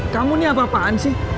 kamu nih apa apaan sih